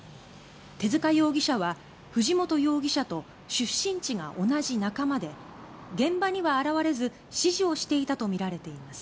手塚容疑者は藤本容疑者と出身地が同じ仲間で現場には現れず指示をしていたとみられています